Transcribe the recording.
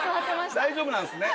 大丈夫なんすね？